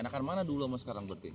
enakan mana dulu mah sekarang berarti